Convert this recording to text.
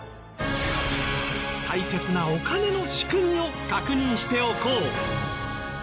大切なお金の仕組みを確認しておこう。